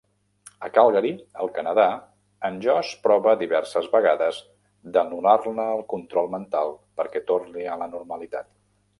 A Calgary, al Canadà, en Josh prova diverses vegades d'anul·lar-ne el control mental perquè torni a la normalitat.